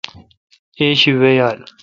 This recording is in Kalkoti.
ایشی وی یال۔